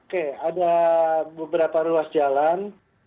oke ada beberapa ruas jalan